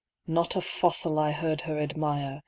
Not a fossil I heard her admire.